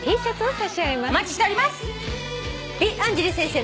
お待ちしております。